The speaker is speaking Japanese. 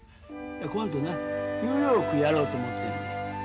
今度なニューヨークへやろうと思ってる。